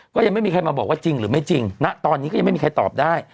ก็ยังไม่มีใครมาบอกว่าจริงหรือไม่จริงณตอนนี้ก็ยังไม่มีใครตอบได้